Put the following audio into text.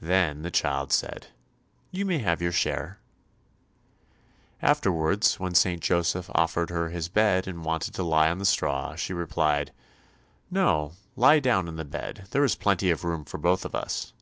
Then the child said, "You may have your share." Afterwards, when St. Joseph offered her his bed and wanted to lie on the straw, she replied, "No, lie down in the bed, there is plenty of room for both of us."